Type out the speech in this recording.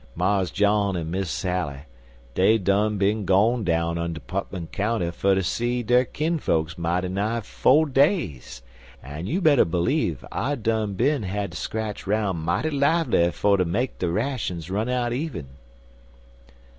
Mars John and Miss Sally, dey done bin gone down unto Putmon County fer ter see der kinfolks mighty nigh fo' days, an' you better bleeve I done bin had ter scratch 'roun' mighty lively fer ter make de rashuns run out even.